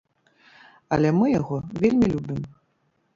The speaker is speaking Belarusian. Але мы яго вельмі любім.